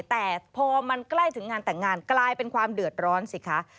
แต่พอมันใกล้ถึงงานแต่งงานกลายเป็นความเดือดร้อนสิคะ